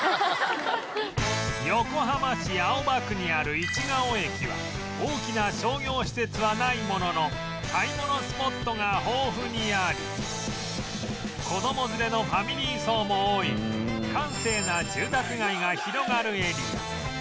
横浜市青葉区にある市が尾駅は大きな商業施設はないものの買い物スポットが豊富にあり子供連れのファミリー層も多い閑静な住宅街が広がるエリア